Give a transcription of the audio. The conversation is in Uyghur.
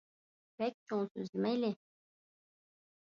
بەك چوڭ سۆزلىمەيلى ،